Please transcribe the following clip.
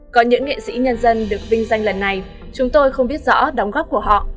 có những nghệ sĩ nhân dân được vinh danh lần này chúng tôi không biết rõ đóng góp của họ